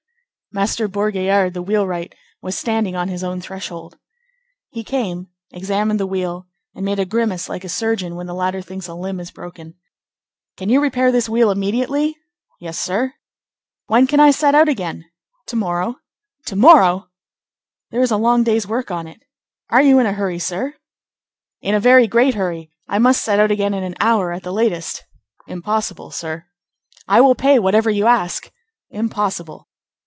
Master Bourgaillard, the wheelwright, was standing on his own threshold. He came, examined the wheel and made a grimace like a surgeon when the latter thinks a limb is broken. "Can you repair this wheel immediately?" "Yes, sir." "When can I set out again?" "To morrow." "To morrow!" "There is a long day's work on it. Are you in a hurry, sir?" "In a very great hurry. I must set out again in an hour at the latest." "Impossible, sir." "I will pay whatever you ask." "Impossible."